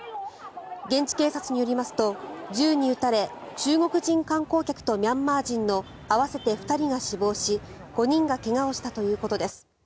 現地警察によりますと銃に撃たれ中国人観光客とミャンマー人の合わせて２人が死亡し５人が怪我をしたということです。